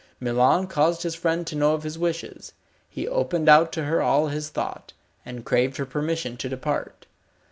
Milon caused his friend to know of his wishes. He opened out to her all his thought, and craved her permission to depart.